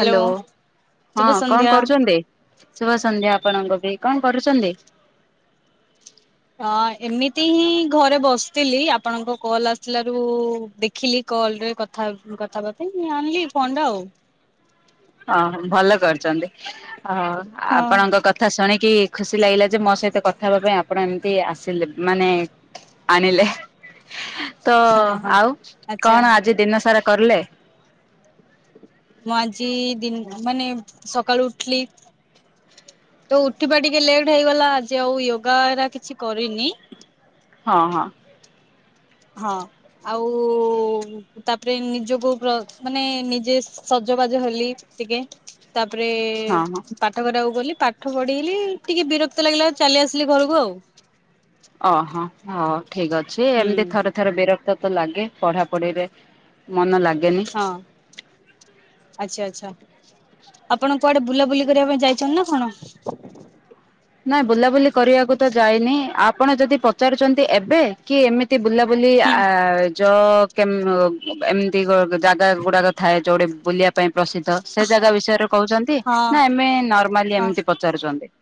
Hello ହଁ ଶୁଭ କଣ ସନ୍ଧ୍ୟା। କରୁଛନ୍ତି? ଶୁଭ ସନ୍ଧ୍ୟା ଆପଣଙ୍କୁ ବି କଣ କରୁଛନ୍ତି? ହଁ ଏମିତି ହିଁ ଘରେ ବସିଥିଲି ଆପଣଙ୍କ କଲ୍ ଆସିଲାରୁ ଦେ ଖିଲି କଲରେ କଥା କଥାହେବା ପାଇଁ ଆଣିଲି ଫୋନଟା ଆଉ। ଓହୋ ଭଲ କରିଛନ୍ତି ଅ ହଁ ଆପଣଙ୍କ କ ଥା ଶୁଣିକି ଖୁସି ଲାଗିଲା ଯେ ମୋ ସହିତ କଥା ହେବା ପାଇଁ ଆପଣ ଏମତି ଆସିଲେ। ମାନେ ଆଣିଲେ ତ ହଁ ହଁ ଆଉ ଆଚ୍ଛା କଣ ଆଜି ଦିନ ସାରା କରଲେ? ମୁଁ ଆଜି ଦିନ୍ ମାନେ ସକାଳୁ ଉଠଲି। ତ ଉଠିବା ଟିକେ ଲେଟ୍ ହେଇଗଲା ଆଜି ଆଉ ୟୋଗାା ହେରା କିଛି କରିନି। ହଁ ହଁ। ହଁ ଆଉ ତାପରେ ନିଜକୁ ବ୍ର ମାନେ ନିଜେ ସଜବାଜ ହେଲି ଟିକେ। ତାପରେ ହଁ ହଁ। ପା ଠ କରିବାକୁ ଗଲି ପାଠ ପଢିଲି ଟିକେ ବିରକ୍ତ ଲାଗିଲା ଚାଲି ଆସିଲି ଘରକୁ ଆଉ। ଓହୋ ହଁ ଠିକ ଅଛି ହୁଁ ଏମତି ଥରେ ଥରେ ବିରକ୍ତ ତ ଲାଗେ ପଢା ପଢିରେ ମନ ଲାଗେନି। ହଁ ଆଛା ଆଛା। ଆପଣ କୁଆଡେ ବୁଲାବୁଲି କରିବା ପାଇଁ ଯାଇଛନ୍ତି ନା କଣ? ନାଇଁ ବୁଲାବୁଲି କରିବାକୁ ତ ଯାଇନି ଆପଣ ଯଦି ପଚାରୁଛନ୍ତି ଏବେ? କି ଏମିତି ବୁଲାବୁଲି ହୁଁ ଆ ଚ କେମ୍ ଓ ଏମିତି ଜାଗା ଗୁଡାକ ଥାଏ ଯୋଉଠି ବୁଲିବା ପାଇଁ ପ୍ରସିଦ୍ଧ ସେ ଜାଗା ବିଷୟରେ କହୁଛନ୍ତି ହଁ ନା ଏମେ ନର୍ମାଲି ହଁ ଏମିତି ପଚାରୁଛନ୍ତି?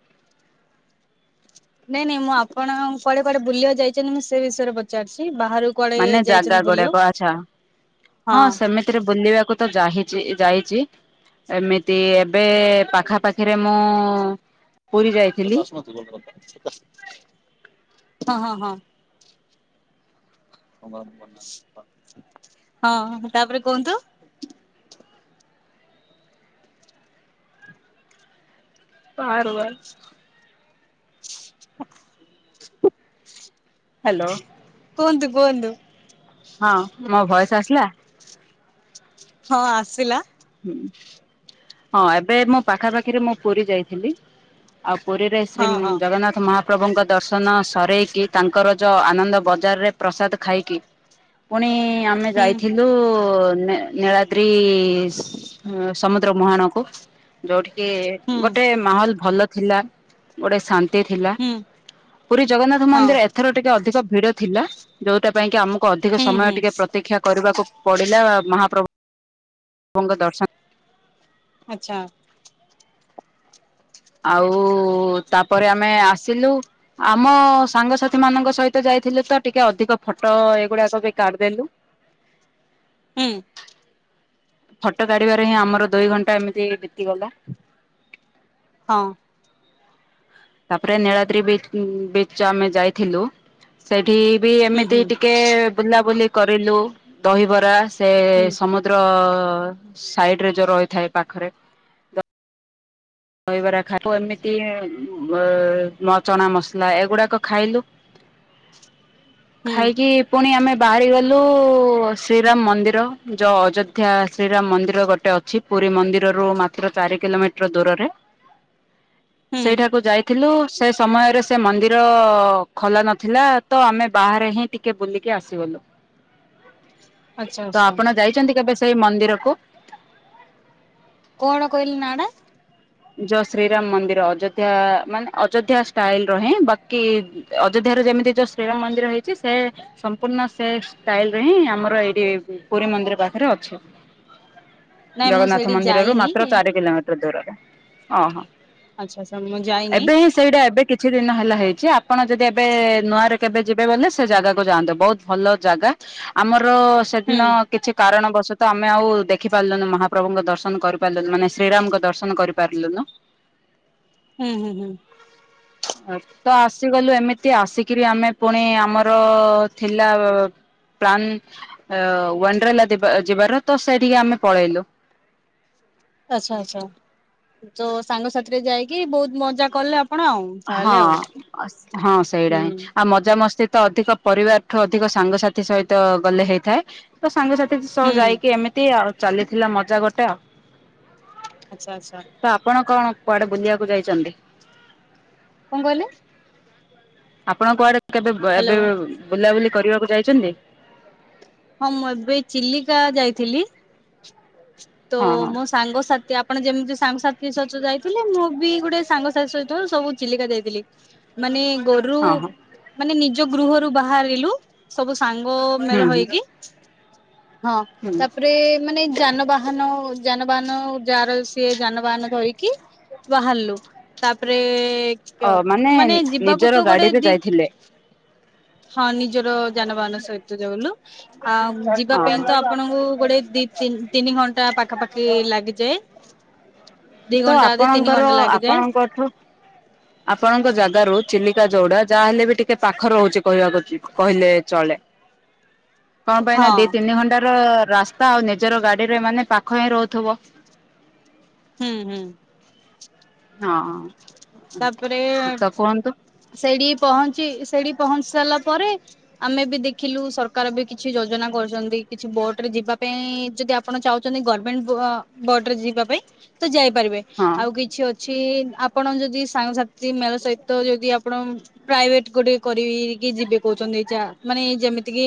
ନାଇଁ ନାଇଁ ମୁଁ ଆପଣ କୁଆଡେ କୁଆଡେ ବୁଲିବାକୁ ଯାଇଛନ୍ତି ମୁଁ ସେ ବିଷୟରେ ପଚାରୁଛି ବାହାରୁ କୁଆଡେ ମାନେ ଜାଗା ଯାଇଛନ୍ତି ବୁଲିବାକୁ ଗୁଡାକ ଆଛା ହଁ ସେମି ରେ ବୁଲିବାକୁ ତ ଯାହିଚି ଯାଇଚି। ଏମିତି ଏବେ ପାଖାପାଖିରେ ମୁଁ ପୁରୀ ଯାଇଥିଲି ହଁ ହଁ ହଁ। ହଁ ତାପରେ କୁହନ୍ତୁ। ବାହାର ବାର [unintelligible] ହାଲୋ। କୁହନ୍ତୁ କୁହନ୍ତୁ। ହଁ ମୋ ଭଏସ ଆସିଲା? ହଁ ଆସିଲା। ହୁଁ ହଁ ଏବେ ମୋ ପାଖାପାଖିରେ ମୁଁ ପୁରୀ ଯାଇଥିଲି। ଆଉ ପୁରୀରେ ଶ୍ରୀ ହଁ ହଁ ଜଗନ୍ନାଥ ମହା ପ୍ରଭୁଙ୍କ ଦର୍ଶନ ସରେଇକି ତାଙ୍କର ଯ ଆନନ୍ଦ ବଜାରରେ ପ୍ରସାଦ ଖାଇକି ପୁଣି ଆମେ ହୁଁ ଯାଇଥିଲୁ ନେ-ନୀଳାଦ୍ରିସ୍ ସମୁଦ୍ର ମୁହାଣକୁ ଯୋଉଠିକି ହୁଁ ଗୋଟେ ମାହୋଲ ଭଲ ଥିଲା ଗୋଟେ ଶାନ୍ ତି ଥିଲା ହୁଁ ପୁରୀ ଜଗନ୍ନାଥ ହଁ ମନ୍ଦିର ଏଥର ଟିକେ ଅଧିକ ଭିଡ ଥିଲା ଯୋଉଟା ପାଇଁକି ଆମ ଅଧିକ ହୁଁ ସମୟ ହୁଁ ଟିକେ ପ୍ରତୀକ୍ଷା କରିବାକୁ ପଡ଼ିଲା ମହାପ୍ରଭୁୁ-ଭୁଙ୍କ ଦର୍ଶନ ଆଚ୍ଛା। ଆଉ ତାପରେ ଆମେ ଆସିଲୁ ଆମ ସାଙ୍ଗସାଥି ମାନଙ୍କ ସହିତ ଯାଇଥିଲୁ ତ ଟିକେ ଅଧିକ ଫଟୋ ଏଇଗୁଡାକ ବି କାଢିଦେଲୁ। ହୁଁ। ଫଟୋ କାଢିବାରେ ହିଁ ଆମର ଦୁଇଘଣ୍ଟା ଏମିତି ବିତିଗଲା। ହଁ। ତାପରେ ନୀଳାଦ୍ରି ବିଚ ଉଁ ବିଚ ଯୋଉ ଆମେ ଯାଇଥିଲୁ ସେଠି ବି ହୁଁ ଏମିତି ହୁଁ ଟି କେ ବୁଲାବୁଲି କରିଲୁ ଦହିବରା ସେ ହୁଁ ସମୁ ଦ୍ର ସାଇଡରେ ଯୋଉ ରହିଥାଏ ପାଖରେ। ଦହିବରା ଖା ଓ ଏମିତି ଉମ୍ ମ ଚଣା ମସଲା ଏଗୁଡାକ ଖାଇଲୁ। ହୁଁ ଖାଇକି ପୁଣି ଆମେ ବାହାରିଗଲୁ ଶ୍ରୀରାମ ମନ୍ଦିର ଯୋଉ ଅଯୋଧ୍ୟା ଶ୍ରୀରାମ ମନ୍ଦିର ଗୋଟେ ଅଛି। ପୁରୀ ମନ୍ଦିରରୁ ମାତ୍ର ଚାରି କିଲୋମିଟର ଦୂରରେ। ହୁଁ ସେଇଠାକୁ ଯାଇଥିଲୁ ସେ ସମୟରେ ସେ ମନ୍ଦିର ଖୋଲା ନଥିଲା ତ ଆମେ ବାହାରେ ହିଁ ଟିକେ ବୁଲିକି ଆସିଗଲୁ। ଆଚ୍ଛା ତ ଆଚ୍ଛା ଆପଣ ଯାଇଚନ୍ତି କେବେ ସେଇ ମନ୍ଦିରକୁ? କଣ କହିଲେ ନାଁଟା? ଜ ଶ୍ରୀରାମ ମନ୍ଦିର ଅଯୋଧ୍ୟା ମାନେ ଅଯୋଧ୍ୟା ଷ୍ଟାଇଲର ହିଁ ବାକି ଅଯୋଧ୍ୟାର ଯେମିତି ଯୋଉ ଶ୍ରୀରାମ ମନ୍ଦିର ହେଇଚି ସେ ସମ୍ପୂର୍ଣ୍ଣ ସେ ଷ୍ଟାଇଲିରେ ହିଁ ଆମର ଏଇଠି ପୁରୀ ମନ୍ଦିର ପାଖରେ ଅଛି। ନାଇଁ ମୁଁ ଜଗନ୍ନାଥ ସେଇଠି ମନ୍ଦିରରୁ ଯାଇନି ମାତ୍ର ଚାରି କିିଲୋମିଟର୍ ଦୂରରେ। ଓହୋ ଆଚ୍ଛା ଆଚ୍ଛା ମୁଁ ଯାଇନି ଏବେ ହିଁ ସେଇଟା ଏବେ କି କିଛିଦିନ ହେଲା ହେଇଚି ଆପଣ ଯଦି ଏବେ ନୂଆରେ କେବେ ଯିବେ ବୋଲେ ସେ ଜାଗାକୁ ଯାଆନ୍ତୁ ବୋହୁତ ଭଲ ଜାଗା। ଆମର ହୁଁ ସେଦିନ କିଛି କାରଣବଶତ ଆମେ ଆଉ ଦେଖିପାରିଲୁନୁ ମହାପ୍ରଭୁଙ୍କ ଦର୍ଶନ କରିପାରିଲୁନୁ ମାନେ ଶ୍ରୀରାମଙ୍କ ଦର୍ଶନ କରି ପାରଲୁନୁ। ହୁଁ ହୁଁ ହୁଁ। ତ ଆସିଗଲୁ ଏମିତି ଆସିକିରି ଆମେ ପୁଣି ଆମର ଥିଲା ବ ପ୍ଲାନ ଅ ୱାଣ୍ଡରେଲା ଦିବା ଯିବାର ତ ସେଇଠିକି ଆମେ ପଳେଇଲୁ। ଆଚ୍ଛା ଆଚ୍ଛା ତ ସାଙ୍ଗସାଥିରେ ଯାଇକି ବୋହୁତ ମଜାକଲେ ଆପଣ ଆଉ। ହଁ ତାହେଲେ ଆଉ ଅସ୍ ହଁ ସେଇଟା ହୁଁ ହିଁ ଆଉ ମଜାାମସ୍ତି ତ ଅଧିକ ପରିବାରଠୁ ଅଧିକ ସାଙ୍ଗସାଥି ସହିତ ଗଲେ ହେଇଥାଏ ତ ସାଙ୍ଗସାଥି ସହ ହୁଁ ଯାଇକି ଏମିତି ଆଉ। ଚାଲିଥିଲା ମଜା ଗୋଟେ ଆଉ। ଆଚ୍ଛା ଆଚ୍ଛା। ତ ଆପଣ କଣ କୁଆଡେ ବୁଲିବାକୁ ଯାଇଚନ୍ତି? କଣ କହିଲି? ଆପଣ କୁଆଡେ କେବେ ହ୍ୟାଲୋ ଏବେ ବୁଲାବୁଲି କରିବାକୁ ଯାଇଚନ୍ତି? ହଁ ମୁଁ ଏବେ ଚିଲିକା ଯାଇଥିଲି ତ ହଁ ହଁ ମୋ ସାଙ୍ଗସାଥି ଆପଣ ଯେମିତି ସାଙ୍ଗସାଥି ସହିତ ଯାଇଥିଲେ ମୁଁ ବି ଗୋଟେ ସାଙ୍ଗସାଥି ସହିତ ସବୁ ଚିଲିକା ଯାଇଥିଲି। ମାନେ ଗରୁ ହଁ ହଁ ମାନେ ନିଜ ଗୃହରୁ ବାହାରିଲୁ ସବୁ ସାଙ୍ଗ ହୁଁ ହୁଁ ମୋଳହେଇକି ହଁ ହୁଁ। ତାପରେ ମାନେ ଯାନବାହାନ ଯାନବାହାନ ଯାହାର ସିଏ ଯାନବାହାନ ଧରିକି ବାହାରିଲୁ ତାପରେ ମାନେ ଯିବାକୁ ନିଜର ତ ଗୋଟେ ଗାଡିରେ ଦି ଯାଇଥିଲେ ହଁ ନିଜର ଯାନବାହାନ ସହିତ ଜାଉନୁ ଆଉ ଯିବା ପାଇଁ ଓହୋ। ତ ଆପଣଙ୍କୁ ଗୋଟେ ଦି ଦିନିତିନି ତିନି ଘଣ୍ଟା ପାଖାପାଖି ଲାଗିଯାଏ ଦି ଘଣ୍ଟା ତିନି ଘଣ୍ଟା ଲାଗିଯାଏ। କଛ ଆପଣଙ୍କ ଜାଗ ରୁ ଚିଲିକା ଯୋଉଡା ଯାହାହଲେ ବି ଟିକେ ପାଖ ରହୁଚି କହିବାକୁ କହିଲେ ଚଳେ। କଣ ହଁ ପାଇଁନା ଦ ତିନି ଘଣ୍ଟା ର ରାସ୍ ଆଉ ନିଜର ଗାଡିରେ ମାନେ ପାଖ ହିଁ ରହୁଥିବ। ହୁଁ ହୁଁ। ହଁ। ତାପରେ ତ କୁହନ୍ତୁ ସେଇଠି ପହଞ୍ଚି ସେଠି ପହଞ୍ଚି ସାରିଲା ପରେ ଆମେ ବି ଦେଖିଲୁ ସରକାର ବି କିଛି ଯୋଜନା କରଚନ୍ତି କିଛି ବୋଟ୍ ରେ ଯିବା ପାଇଁ ଯଦି ଆ ଆପଣ ଚାହୁଚନ୍ତି ଗର୍ମେଣ୍ଟ ବୋ ବୋର୍ଡରେ ଯିବା ପାଇଁ ତ ଯାଇପାରିବେ। ହଁ ଆଉ କିଛି ଅଛି ଆପଣ ଯଦି ସାଙ୍ଗସାଥି ମେଳ ସହିତ ଯଦି ଆପଣ ପ୍ରାଇଭେଟ୍ ଗୋଟେ କରିକି ଯିବେ କହୁଚନ୍ତି ଯା ମାନେ ଯେମିତି କି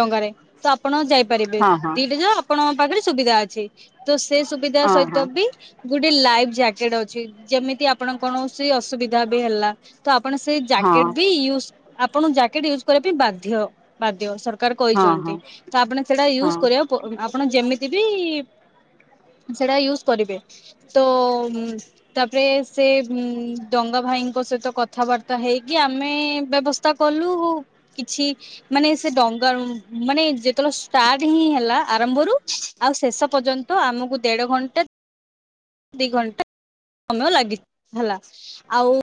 ଡଙ୍ଗାରେ ତ ଆପଣ ଯାଇପାରିବେ ହଁ ହଁ ଦିଟା ଯ ଆପଣଙ୍କ ପାଖରେ ସୁବିଧା ଅଛି। ତ ସେ ସୁବିଧା ହଁ ସହିତ ହଁ। ବି ଗୋଟେ ଲାଇଫ ଜ୍ୟାକେଟ୍ ଅଛି ଯେମିତି ଆପଣଙ୍କ କୌଣସି ଅସୁବିଧା ବି ହେଲା ତ ଆପଣ ସେଇ ହଁ ଜ୍ୟାକେଟ୍ ହଁ ବି ୟୁଜ୍ ଆପଣ ଜ୍ୟାକେଟ୍ ୟୁଜ୍ କରିବା ପାଇଁ ବାଧ୍ୟ ବାଧ୍ୟ ସରକାର କହିଛନ୍ତି ହଁ ତ ଆପଣ ସେଟା ହଁ ୟୁଜ୍ କରିବାକୁ ଆପଣ ଯେମିତି ବି ସେଟା ୟୁଜ୍ କରିବେ ତ ତାପରେ ସେ ଡଙ୍ଗା ଭାଇଙ୍କ ସହିତ କଥାବାର୍ତ୍ତା ହେଇକି ଆମେ ବ୍ୟବସ୍ଥା କଲୁ କିଛି ମାନେ ସେ ଡଙ୍ଗା ମାନେ ଯେତେବେଳେ ଷ୍ଟାର୍ଟ ହିଁ ହେଲା ଆରମ୍ଭରୁ ଆଉ ଶେଷ ପର୍ଯ୍ୟନ୍ତ ଆମକୁ ଦେଢ ଘଣ୍ଟା ଦି ଘଣ୍ଟା ସମୟ ଲାଗି ହେଲା ଆଉ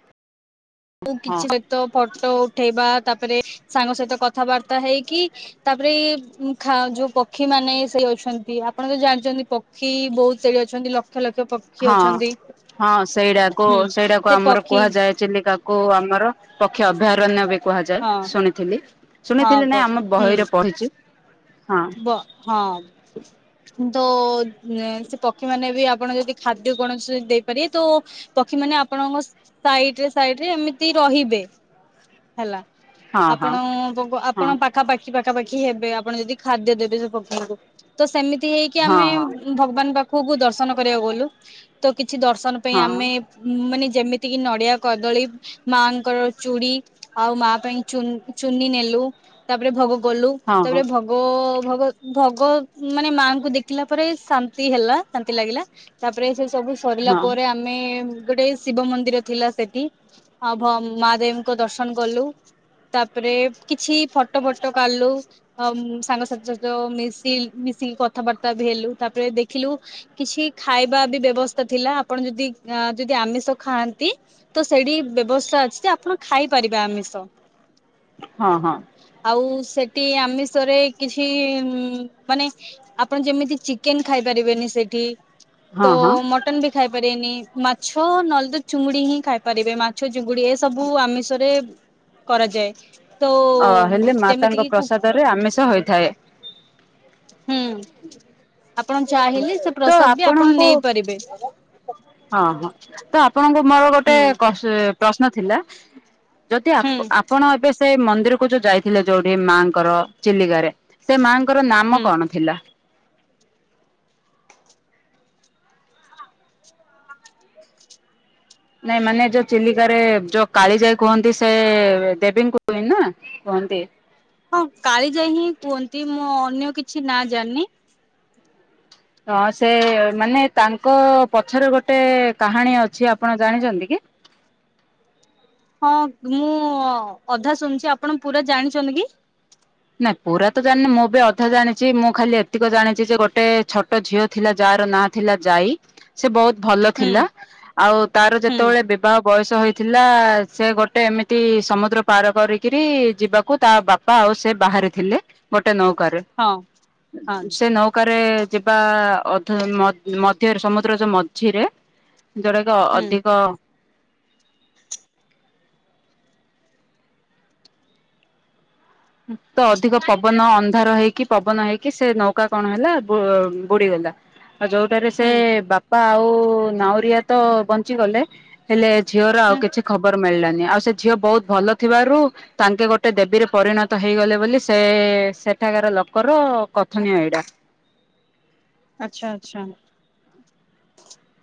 କିଛି ହଁ ସହିତ ଫଟୋ ଉଠେଇବା ତାପରେ ସାଙ୍ଗ ସହିତ କଥାବାର୍ତା ହେଇକି ତାପରେ ଏଇ ଉଁ ଖା ଯୋଉ ପକ୍ଷୀ ମାନେ ସେଇ ଅଛନ୍ତି ଆପଣ ତ ଜାଣିଚନ୍ତି ପ କ୍ଷୀ ବୋହୁତ ସେଠି ଅଛନ୍ତି ଲକ୍ଷ ଲକ୍ଷ ପ ହଁ ହଁ ସେଇଟାକୁ ହୁଁ ସେଇଟାକୁ ସେ ଆମର ପକ୍ଷୀ କୁହାଯାଏ ଚିଲିକାକୁ କୁ ଆମର ପକ୍ଷୀ ଅଭୟାରଣ୍ୟ ବ୍ୟ ହଁ କୁହାଯାଏ ଶୁଣିଥିଲି ହଁ ଶୁଣିଥିଲି ନାଇଁ ପକ୍ଷୀ ଆମ ହୁଁ ବହିରେ ପଢିଚି ହଁ। ବ ହଁ। ତ ସେ ପକ୍ଷୀ ମାନେ ବି ଆପଣ ଯଦି ଖାଦ୍ୟ କୌଣସି ଦେଇପାରିବେ ତ ପକ୍ଷୀ ମାନେ ଆପଣଙ୍କ ସାଇଟ୍ ରେ ସାଇଟ୍ ରେ ଏମିତି ରହିବେ। ହେଲା ହଁ ହଁ ଆପଣ ହଁ। ଆପଣ ପାଖାପାଖି ପାଖାପାଖି ହେବେ ଆପଣ ଯଦି ଖାଦ୍ୟ ଦେବେ ସେ ପକ୍ଷୀଙ୍କୁ ତ ସେମିତି ହେଇକି ହଁ ଆମେ ହଁ ଭଗବାନ ବା ଖ କୁ ଦର୍ଶନ କରିବାକୁ ଗଲୁ ତ କିଛି ଦର୍ଶନ ପାଇଁ ହଁ ଆମେ ମାନେ ଯେମିତିକି ନଡିଆ, କଦଳୀ ମାଙ୍କର ଚୁଡ଼ି ଆଉ ମା ପାଇଁ ଚୁନ୍- ଚୁନି ନେଲୁ। ତାପରେ ଭୋଗ ଗଲୁ ହଁ ତାପରେ ହଁ ଭଗ ଭୋ -ଭୋଗ ଭଗ ମାନେ ମାଙ୍କୁ ଦେଖିଲା ପରେ ଶାନ୍ତି ହେଲା ଶାନ୍ତି ଲାଗିଲା। ତାପରେ ସେ ସବୁ ସରିଲା ହଁ ପରେ ଆମେ ଗୋଟେ ଶିବ ମନ୍ଦିର ଥିଲା ସେଠି। ହଁ ଭ- ମହାଦେବଙ୍କ ଦର୍ଶନ କଲୁ ତାପରେ କିଛି ଫଟୋ ଫଟ କାଲୁ ଅଂ ସାଙ୍ଗସାଥି ସହିତ ମିଶି ମିଶିକି କଥାବାର୍ତ୍ତା ବି ହେଲୁ ତାପରେ ଦେଖିଲୁ କିଛି ଖାଇବା ବି ବ୍ୟବସ୍ଥା ଥିଲା ଆପଣ ଯଦି ଆଁ - ଯଦି ଆମିଷ ଖାଆନ୍ତି ତ ସେଇଠି ବ୍ୟବସ୍ଥା ଅଛି ଯେ ଆପଣ ଖାଇପାରିବେ ଆମିଷ। ହଁ -ହଁ। ଆଉ ସେଠି ଆମିଷରେ କିଛି ମାନେ ଆପଣ ଯେମିତି ଚିକେନ ଖାଇପାରିବେନି ସେଠି ତ ହଁ ହଁ। ମଟନ ବି ଖାଇ ପାରିବେନି ମାଛ ନହଲେ ତ ଚୁଙ୍ଗୁଡ଼ି ହିଁ ଖାଇପାରିବେ ମା ଛ ଚୁଙ୍ଗୁଡ଼ି ଏ ସବୁ ଆମିଷରେ କରାଯାଏ। ତ ଅ ହେଲେ ଯେମିତି ମାତାଙ୍କ କିି ହୁଁ ପ୍ରସାଦ ରେ ଆମିଷ ହୋଇଥାଏ। ହୁଁ ଆପଣ ଚାହିଁଲେ ସେ ତ ପ୍ରସାଦ ବି ଆପଣ ଆପଣଙ୍କୁ ନେଇପାରିବେ। ହଁ -ହଁ ତ ଆପଣଙ୍କୁ ମୋର ଗୋଟେ ହୁଁ କସେ ପ୍ରଶ୍ନ ଥିଲା ଯଦି ହୁଁ ଆପ- ଆପଣ ଏବେ ସ୍ ସେ ମନ୍ଦିର କୁ ଯୋଉ ଯାଇଥିଲେ ଯୋଉଠି ମାଙ୍କର ଚିଲିକାରେ ସେ ମାଙ୍କର ନାମ ହୁଁ କଣ ଥିଲା? ନାଇଁ ମାନେ ଯୋଉ ଚିଲିକାରେ ଯୋଉ କାଳି ଯାଇ କୁହନ୍ତି ସେ ଦେବୀଙ୍କୁୁ କୁହେନା। କୁହନ୍ତି। ହଁ କାଳି ଯାଇ ହିଁ କୁହନ୍ତି ମୁଁ ଅନ୍ୟ କିଛି ନା ଜାଣିନି। ହଁ ସେ ମାନେ ତାଙ୍କ ପଛରେ ଗୋଟେ କାହାଣୀ ଅଛି ଆପଣ ଜାଣିଚନ୍ତି କି? ହଁ ମୁଁ ଅଧା ଶୁଣିୁଚି ଆପଣ ପୁରା ଜାଣିଛନ୍ତି କି? ନାଇଁ ପୁରା ତ ଜାଣିନି ମୁଁ ବି ଅଧା ଜାଣିଚି ମୁଁ ଖାଲି ଏତିକ ଜାଣିଛି ଯେ ଗୋଟେ ଛୋଟ ଝିଅ ଥିଲା ଯାହାର ନା ଥିଲା ଯାଇ ସେ ବହୁତ ଭଲ ହୁଁ ଥିଲା ଆଉ ତାର ହୁଁ ଯେତେବେଳେ ବୟସ ହୋଇଥିଲା ସେ ଗୋଟେ ଏମିତି ସମୁଦ୍ର ପାର କରିକିରି ଯିବାକୁ ତା ବାପା ବାପା ଆଉ ସେ ବାହାରେ ଥିଲେ ଗୋଟେ ନୌକାରେ ହଁ ହଁ ସେ ନୌ ପ୍ରକାରେ ଯିବା ଅଧା ମ ମଧ୍ୟରେ ସମୁଦ୍ର ଯୋଉ ମଝିରେ। ଯୋଉରାକ ହୁଁ ଅଧିକ। ତ ଅଧିକ ପବନ ଅନ୍ଧାର ହେଇକି ପବନ ହେଇକି ସେ ନୌକା କଣ ହେଲା ବ ବୁଡିଗଲା। ଆଉ ଯୋଉଟାରେ ସେ ହୁଁ ବାପା ଆଉ ନାଉରିଆ ତ ବଞ୍ଚିଗଲେ। ହେଲେ ଝିଅର ଆଉ ହୁଁ କିଛି ଖବର ମିଳିଲାନି ଆଉ ସେ ଝିଅ ବହୁତ ଭଲ ଥିବାରୁ ତାଙ୍କେ ଗୋଟେ ଦେବୀରେ ପରିଣତ ତ ହେଇଗଲେ ବୋଲି ସେ ସେଠାକାର ଲୋକର କଥନୀୟ ଏଇଟା। ଆଛା ଆଛା।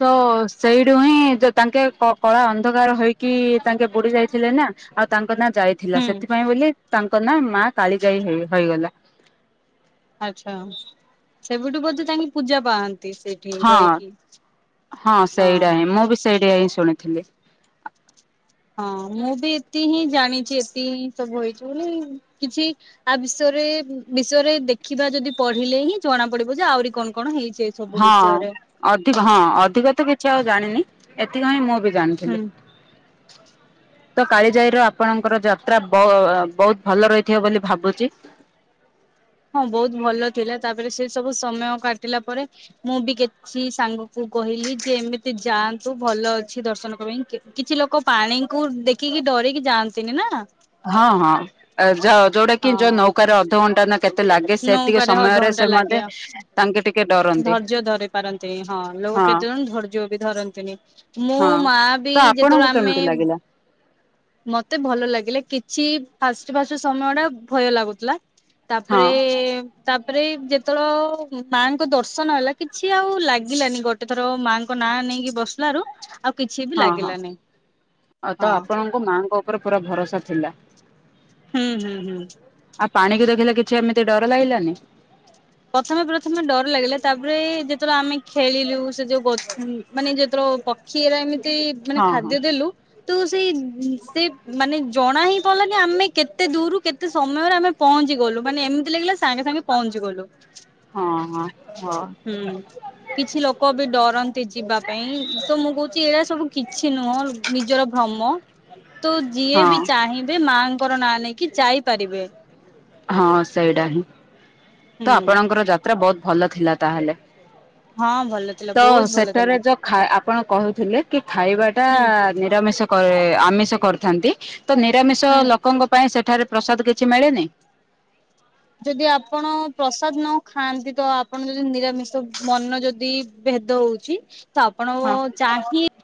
ତ ସେଇଠୁ ହିଁ ତାଙ୍କେ କଳା ଅନ୍ଧକାର ହେଇକି ତାଙ୍କେ ବୁଡି ଯାଇଥିଲେ ନା। ଆଉ ତାଙ୍କ ନାଁ ଯାଇଥିଲା ହୁଁ ସେଥିପାଇଁ ବୋଲି ତାଙ୍କ ନା ମା କାଳି ଯାଇ ହେଇ ହେଇଗଲା। ଆଛା ସେବଠୁ ବୋଧେ [unintelligible] ପୂଜା ପାଆନ୍ତି ସେ। ହଁ ହଁ ସେଇଟା ହିଁ ମୁଁ ବି ସେଇଟା ହିଁ ଶୁଣିଥିଲି। ହଁ ମୁଁ ବି ଏତି ହିଁ ଜାଣିଛି ଏତି ହିଁ ସବୁ ହେଇଚି ବୋଲି କିଛି ଆ ବିଷୟରେ ବିଷୟରେ ଦେଖିବା ଯଦି ପଢିଲେ ହିଁ ଜଣା ପଡିବ ଯେ ଆହୁରି କଣ କଣ ହେଇଚି। ହଁ ଅଧିକ ହଁ ଅଧିକ ତ କିଛି ଆଉ ଜାଣିନି। ଏଥି ହାଇଁ ମୁଁ ବି ହୁଁ ଜାଣିଥିଲି। ତ କାଳିଜାଇ ର ଆପଣଙ୍କର ଯାତ୍ରା ବ -ବହୁତ ଭଲ ରହିଥିବ ବୋଲି ଭାବୁଚି। ହଁ ବହୁତ ଭଲ ଥିଲା ତାପରେ ସେ ସବୁ ସମୟ କାଟିଲା ପରେ ମୁଁ ବି କେ ସି ସାଙ୍ଗ କୁ କହିଲି ଯେ ଏମିତି ଯାଆନ୍ତୁ ଭଲ ଅଛି ଦର୍ଶନ ପାଇଁ କିଛି ଲୋକ ପାଣିକୁ ଦେଖିକି ଡରିକି ଯାଆନ୍ତିନି ନା। ହଁ ହଁ ଯ ଯୋଉଟା କି ଯୋଉ ହଁ ନୌକାରେ ଅଧଘଣ୍ଟା ନା କେତେ ଲାଗେ ସେତିକି ନୌକାରେ ସମୟରେ ଅଧଘଣ୍ଟା ସେ ମତେ ଲାଗେ ତାଙ୍କେ ଟିକେ ଡର ଧୈର୍ଯ୍ୟ ଧରି ପାରନ୍ତିନି ହଁ ଲୋକ କେତେ ଜଣ ଧୈର୍ଯ୍ୟ ବି ଧରନ୍ତିନି ମୁଁ ହଁ। ମା ତ ବି ଆପଣଙ୍କୁ ଯେତେବେଳେ ଆମେ କେମିତି ଲାଗିଲା ମତେ ଭଲ ଲାଗିଲେ କିଛି ଫାଷ୍ଟ ଫାଷ୍ଟ ସମୟ ଟା ଭୟ ଲାଗୁଥିଲା ହଁ ତାପରେ ତାପରେ ଯେତେବେଳେ ମାଙ୍କ ଦର୍ଶନ ହେଲା କି ଛି ଆଉ ଲାଗିଲାନି ଗୋଟେ ଥର ମାଙ୍କ ନାଁ ନେଇକି ବସିଲାରୁ ଆଉ କିଛି ବି ହଁ ଲାଗିଲାନି ହଁ ଙ୍କ ମାଆଙ୍କ ଉପରେ ପୁରା ଭରସା ଥିଲା ହୁଁ ହୁଁ ହୁଁ ଆଉ ପାଣିକୁ ଦେଖିଲେ କିଛି ଏମିତି ଡର ଲାଗିଲାନି? ପ୍ରଥମେ ପ୍ରଥମେ ଡର ଲାଗିଲା ତାପରେ ଯେତେବେଳେ ଆମେ ଖେଳିଲୁ ସେ ଯୋଉଛ ମାନେ ଯେତେବେଳେ କ୍ଷୀର ଏମିତି ମାନେ ହଁ ହଁ। ଖାଦ୍ୟ ଦେଲୁ ତୁ ସେଇ ଉ ସେ ମାନେ ଜଣା ହିଁ ପଲାନି ଆମେ କେତେ ଦୂରୁ କେତେ ସମୟରେ ଆମେ ପହଞ୍ଚି ଗଲୁ ମାନେ ଏମିତି ଲାଗିଲା ସାଙ୍ଗ ସାଙ୍ଗେ ପହଞ୍ଚି ଗଲୁ ହଁ ହଁ ହଉ ହୁଁ କିଛି ଲୋକ ବି ଡରନ୍ତି ଯିବା ପାଇଁ ତ ମୁଁ କହୁଛି ଏଇଟା ସବୁ କିଛି ନୁହଁ ନିଜର ଭ୍ରମ ତ ଯିଏ ହଁ ବି ଚାହିଁବେ ମାଙ୍କର ନାଁ ନେଇକି ଯାଇପାରିବେ। ହଁ ସେଇଟା ହିଁ ହୁଁ ତ ଆପଣଙ୍କର ଯାତ୍ରା ବହୁତ ଭଲ ଥିଲା ତାହେଲେ ହଁ ଭଲ ଥିଲା ତ ବହୁତ ଭଲ ସେଠାରେ ଥିଲା। ଯୋଉ ଖା ଆପଣ କହୁଥିଲେ କି ଖାଇବା ଟା ହୁଁ ନିରାମିଷ କ ଆମିଷ କରିଥାନ୍ତି ତ ନିରାମିଷ ହୁଁ। ଲୋକଙ୍କ ପାଇଁ ସେଠାରେ ପ୍ରସାଦ କିଛି ମିଳେନି? ଯଦି ଆପଣ ପ୍ରସାଦ ନ ଖାଆନ୍ତି ତ ଆପଣ ଯଦି ନିରାମିଷ ମନ ଯଦି ଭେଦ ହଉଛି ତ ଆପଣ ହଁ। ଚାହିଁ